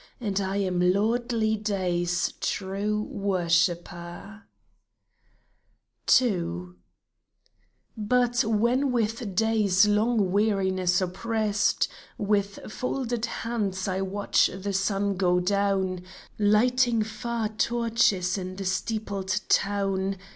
And I am lordly Day's true worshipper I II. But when with Day's long weariness oppressed, With folded hands I watch the sun go down, Lighting far torches in the steepled town.